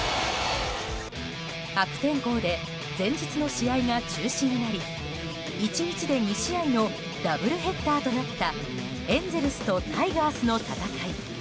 悪天候で前日の試合が中止になり１日で２試合のダブルヘッダーとなったエンゼルスとタイガースの戦い。